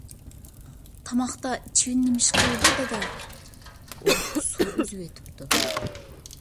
_ تاماقتا چىۋىن نېمىش قىلدۇ؟ _ دادا، ئۇ سۇ ئۈزۈۋېتىپتۇ.